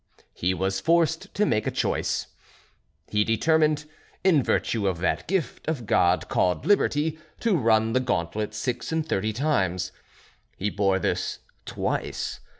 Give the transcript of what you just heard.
He was forced to make a choice; he determined, in virtue of that gift of God called liberty, to run the gauntlet six and thirty times. He bore this twice.